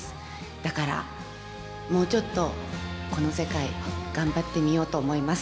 だから、もうちょっとこの世界、頑張ってみようと思います。